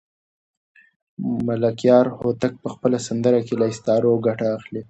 ملکیار هوتک په خپله سندره کې له استعارو ګټه اخلي.